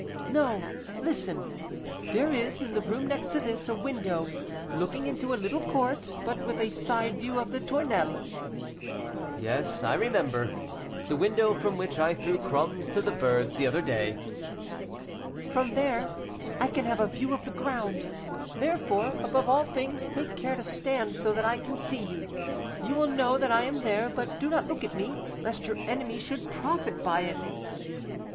"No; listen. There is, in the room next to this, a window looking into a little court, but with a side view of the Tournelles." "Yes, I remember the window from which I threw crumbs to the birds the other day." "From there I can have a view of the ground; therefore, above all things, take care to stand so that I can see you; you will know that I am there, but do not look at me, lest your enemy should profit by it."